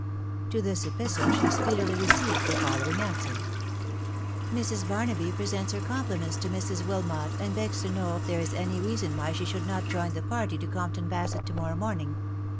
To this epistle she speedily received the following answer: —" Mrs. Barnaby presents her compliments to Mrs. Wilmot, and begs to know if there is any reason why she should not join the party to Compton Basett to morrow morning